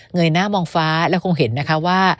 ยหน้ามองฟ้าแล้วคงเห็นนะคะว่า